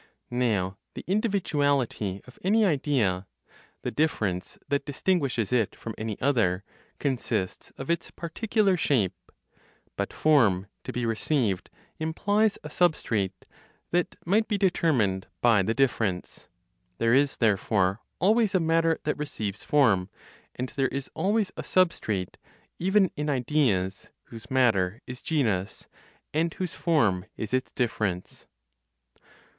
Now the individuality of any idea, the difference that distinguishes it from any other, consists of its particular shape. But form, to be received, implies a substrate, that might be determined by the difference. There is therefore always a matter that receives form, and there is always a substrate (even in ideas, whose matter is genus, and whose form is its difference).